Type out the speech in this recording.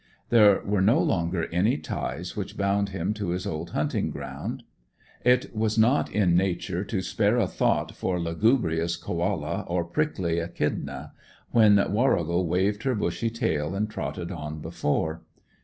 There were no longer any ties which bound him to his old hunting ground. It was not in nature to spare a thought for lugubrious Koala or prickly Echidna, when Warrigal waved her bushy tail and trotted on before.